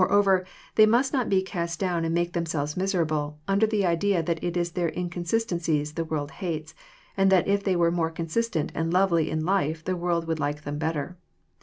Moreover, they must not be cast down and make themselves miserable, under the idea that it is their inconsistencies the world hates, and that if they were more consistent and lovely in life the world would like them better.